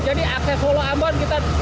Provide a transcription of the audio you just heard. jadi akses follow amban kita